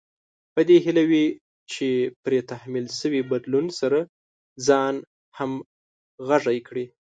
په دې هيله وي چې پرې تحمیل شوي بدلون سره ځان همغږی کړي.